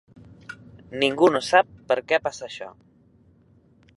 Ningú no sap per què passa això.